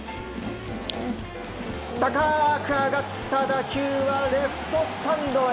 高く上がった打球はレフトスタンドへ！